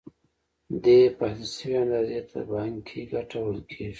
دې پاتې شوې اندازې ته بانکي ګټه ویل کېږي